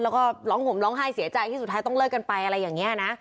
แล้วก็ร้องห่มร้องไห้เสียใจที่สุดท้ายต้องเลิกกันไปอะไรอย่างนี้นะ